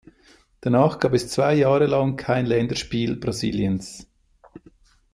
Danach gab es zwei Jahre lang kein Länderspiel Brasiliens.